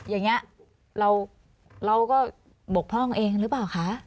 อย่างนี้เราก็บกพร่องเองหรือเปล่าคะ